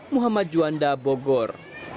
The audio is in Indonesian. muhammad juanda bogor